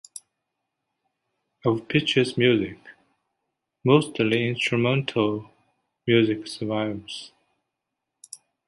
Of Picchi's music, mostly instrumental music survives.